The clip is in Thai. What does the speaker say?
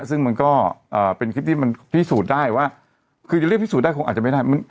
ซึ่งมันก็เป็นคลิปที่มันพิสูจน์ได้ว่าคือจะเรียกพิสูจนได้คงอาจจะไม่ได้